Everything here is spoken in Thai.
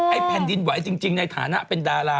แผ่นดินไหวจริงในฐานะเป็นดารา